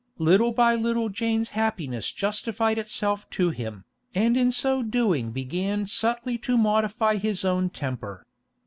Little by little Jane's happiness justified itself to him, and in so doing began subtly to modify his own temper.